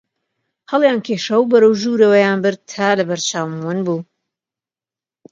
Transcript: هەڵیان کێشا و بەرەو ژووریان برد تا لە بەر چاوم ون بوو